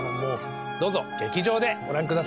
どうぞ劇場でご覧ください。